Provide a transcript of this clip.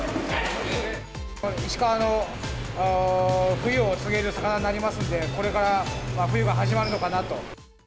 石川の冬を告げる魚になりますんで、これから冬が始まるのかなと。